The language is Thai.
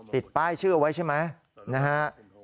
ติดป้ายชื่อเอาไว้ใช่ไหมนะฮะ